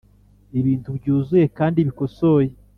Ibintu byuzuye kandi bikosoye